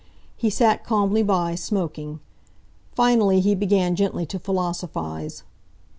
He sat calmly by, smoking. Finally he began gently to philosophize.